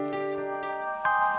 sini kita balik lagi